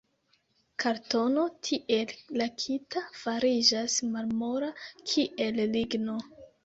Kartono, tiel lakita, fariĝas malmola, kiel ligno.